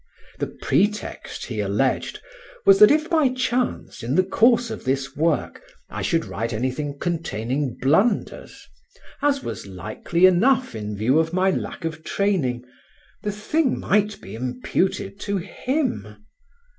The pretext he alleged was that if by chance in the course of this work I should write anything containing blunders as was likely enough in view of my lack of training the thing might be imputed to him.